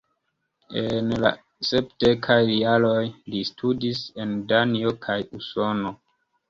En la sepdekaj jaroj, li studis en Danio kaj Usono.